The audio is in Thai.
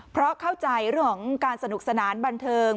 เพราะเข้าใจเรื่องของการสนุกสนานบันเทิง